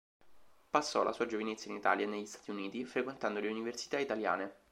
Passò la sua giovinezza in Italia e negli Stati Uniti, frequentando le università italiane.